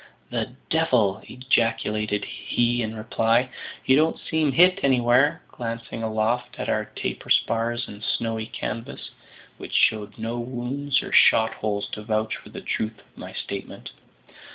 "The devil!" ejaculated he in reply. "You don't seem hit anywhere," glancing aloft at our taper spars and snowy canvas, which showed no wounds or shot holes to vouch for the truth of my statement.